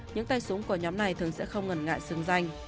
những tay súng của nhóm này thường sẽ không ngần ngại xứng danh